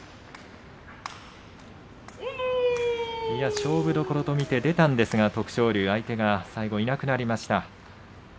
勝負どころと見て出たんですが徳勝龍相手が最後いなくなりました。